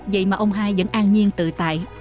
vậy mà ông hai vẫn an nhiên tự tại